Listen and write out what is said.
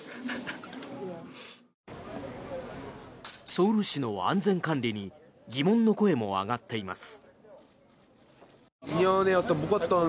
ソウル市の安全管理に疑問の声も上がっています。